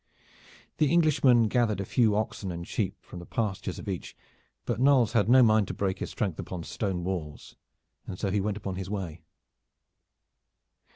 The Englishmen gathered a few oxen and sheep from the pastures of each, but Knolles had no mind to break his strength upon stone walls, and so he went upon his way.